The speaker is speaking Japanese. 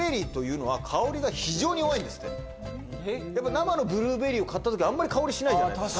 生のブルーベリーを買った時香りしないじゃないですか。